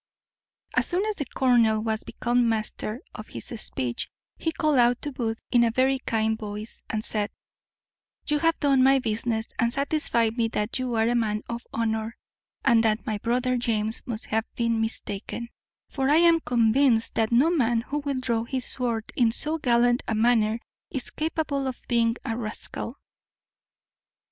As soon as the colonel was become master of his speech, he called out to Booth in a very kind voice, and said, "You have done my business, and satisfied me that you are a man of honour, and that my brother James must have been mistaken; for I am convinced that no man who will draw his sword in so gallant a manner is capable of being a rascal.